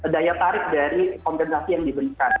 daya tarik dari kompensasi yang diberikan